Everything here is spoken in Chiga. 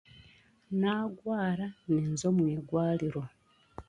Naagwara, ninza omu igwariro